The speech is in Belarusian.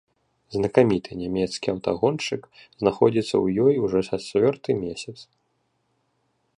Знакаміты нямецкі аўтагоншчык знаходзіцца ў ёй ужо чацвёрты месяц.